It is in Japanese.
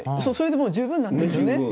それでもう十分なんですよね。